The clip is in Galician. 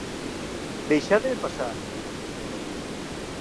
“Deixádeme pasar,” berrou.